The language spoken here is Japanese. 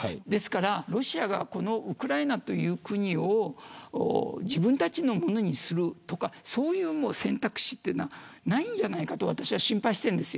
ですから、ロシアがウクライナという国を自分たちのものにするとかそういう選択肢はないんじゃないかと私は心配している。